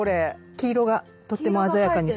黄色がとっても鮮やかに染まります。